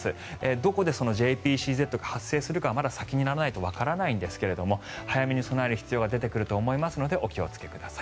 どこでＪＰＣＺが発生するかまだ先にならないとわかりませんが早めに備える必要があるのでお気をつけください。